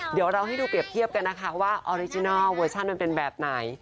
เดี๋ยวเราให้ดูเปรียบเทียบกันนะคะว่าออริจินัลเวอร์ชันมันเป็นแบบไหน